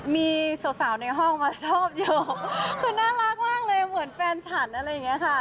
มีสาวในห้องมาชอบเยอะคือน่ารักมากเลยเหมือนแฟนฉันอะไรอย่างนี้ค่ะ